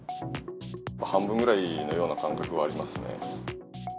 半分ぐらいのような感覚はありますね。